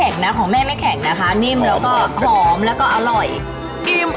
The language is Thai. ของแม่ไม่แข็งนะคะ